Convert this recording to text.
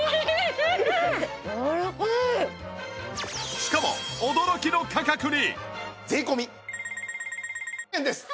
しかも驚きの価格に